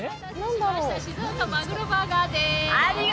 静岡まぐろバーガーでーす。